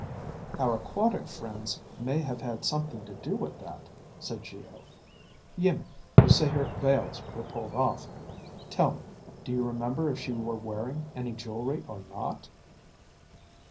"Our aquatic friends may have had something to do with that," said Geo. "Iimmi, you say her veils were pulled off. Tell me, do you remember if she were wearing any jewelry or not?"